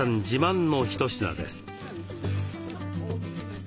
自慢の一品です。